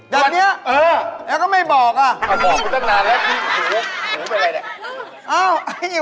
อย่างเนี้ยะแหละก็ไม่บอกอ่ะทิ้งหู